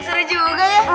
seru juga ya